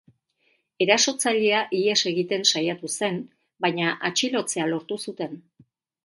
Erasotzailea ihes egiten saiatu zen, baina atxilotzea lortu zuten.